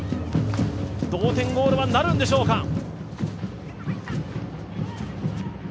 同点ゴールはなるんでしょうか？